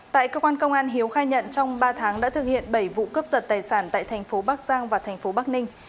tại cơ quan công an hiếu khai nhận trong ba tháng đã thực hiện bảy vụ cướp giật tài sản tại tp bắc giang và tp bắc ninh